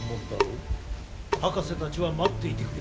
はかせたちはまっていてくれ。